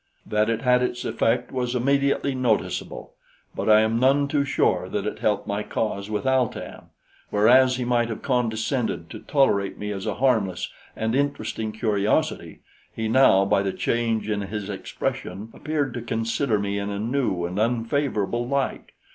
That it had its effect was immediately noticeable, but I am none too sure that it helped my cause with Al tan. Whereas he might have condescended to tolerate me as a harmless and interesting curiosity, he now, by the change in his expression, appeared to consider me in a new and unfavorable light.